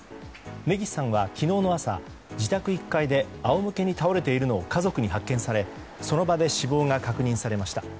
根岸さんは昨日の朝自宅１階で仰向けに倒れているのを家族に発見されその場で死亡が確認されました。